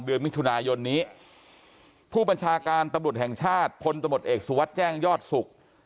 เมื่อสุดทุนายนนี้ผู้ปัญชาการตำรวจแห่งชาติพลตมตเอกสุวัตรแจ้งยอดศุกร์